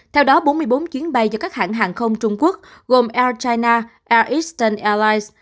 theo đó bốn mươi bốn chuyến bay do các hãng hàng không trung quốc gồm air china air eastern airlines